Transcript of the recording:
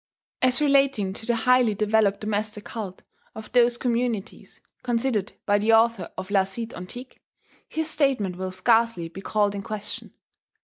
As relating to the highly developed domestic cult of those communities considered by the author of La Cite Antique, his statement will scarcely be called in question.